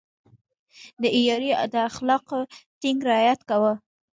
د عیارۍ د اخلاقو ټینګ رعایت يې کاوه.